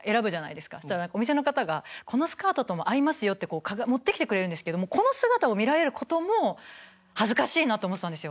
そしたらお店の方がこのスカートとも合いますよって持ってきてくれるんですけどこの姿を見られることも恥ずかしいなと思ってたんですよ。